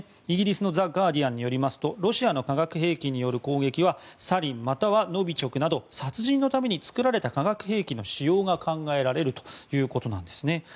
イギリスのザ・ガーディアンによりますとロシアの化学兵器による攻撃はサリンまたはノビチョクなど殺人のために作られた化学兵器の使用が考えられるということなんです。